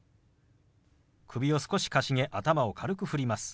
首を少しかしげ頭を軽く振ります。